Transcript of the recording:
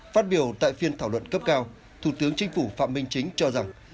phát biểu tại phiên thảo luận cấp cao thủ tướng chính phủ phạm minh chính cho rằng